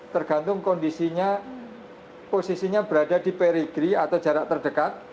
tergantung kondisinya posisinya berada di perigree atau jarak terdekat